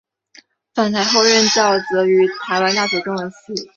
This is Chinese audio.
返台后任教则于台湾大学中文系。